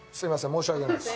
申し訳ないです。